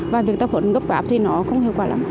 và việc tập huấn gấp gáp thì nó không hiệu quả lắm